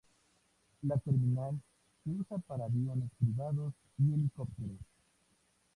La terminal se utiliza para aviones privados y helicópteros.